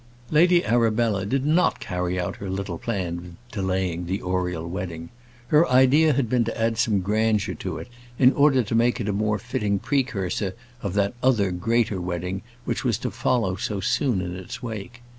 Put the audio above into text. Lady Arabella did not carry out her little plan of delaying the Oriel wedding. Her idea had been to add some grandeur to it, in order to make it a more fitting precursor of that other greater wedding which was to follow so soon in its wake.